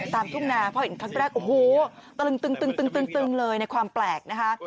ตามทุกนาเพราะเห็นครั้งแรกโอ้โหตึงตึงตึงตึงตึงเลยในความแปลกนะฮะ